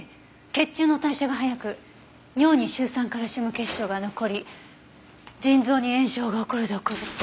血中の代謝が早く尿にシュウ酸カルシウム結晶が残り腎臓に炎症が起こる毒物。